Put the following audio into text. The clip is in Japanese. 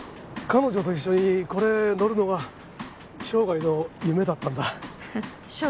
彼女と一緒にこれ乗るのが生涯の夢だったんだ。